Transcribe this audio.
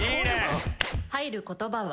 入る言葉は？